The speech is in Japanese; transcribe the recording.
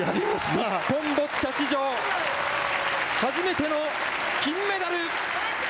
日本ボッチャ史上初めての金メダル。